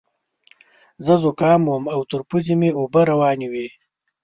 زه ذکام وم او تر پوزې مې اوبه روانې وې.